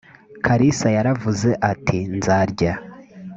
kalisa yaravuze ati nzarya